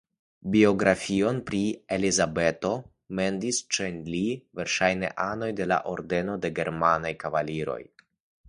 Biografion pri Elizabeto "mendis" ĉe li verŝajne anoj de la Ordeno de germanaj kavaliroj.